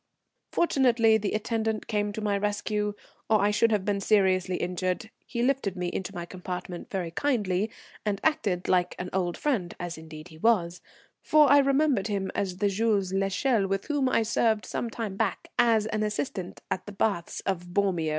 Fortunately the attendant came to my rescue or I should have been seriously injured. He lifted me into my compartment very kindly, and acted like an old friend, as indeed he was, for I remembered him as the Jules l'Echelle with whom I served some time back as an assistant at the Baths of Bormio.